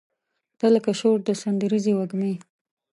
تۀ لکه شور د سندریزې وږمې